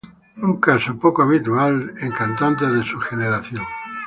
Un caso poco habitual en cantantes de su generación.